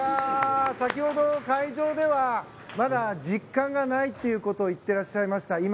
先ほど会場ではまだ実感がないということを言っていらっしゃいました。